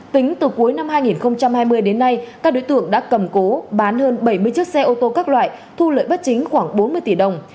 tính từ cuối năm hai nghìn hai mươi đến nay các đối tượng đã cầm cố bán hơn bảy mươi chiếc xe ô tô các loại thu lợi bất chính khoảng bốn mươi tỷ đồng